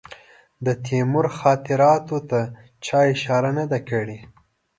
د تیمور خاطراتو ته چا اشاره نه ده کړې.